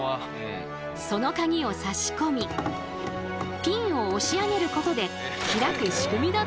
そのカギを差し込みピンを押し上げることで開く仕組みだったんです。